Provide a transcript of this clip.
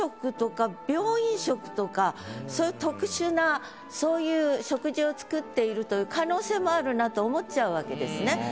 そういう特殊なそういう食事を作っているという可能性もあるなと思っちゃうわけですね。